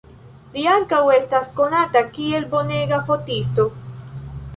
Li ankaŭ estas konata kiel bonega fotisto.